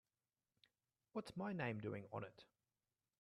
What's my name doing on it?